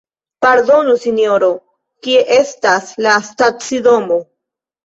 Pardonu sinjoro, kie estas la stacidomo?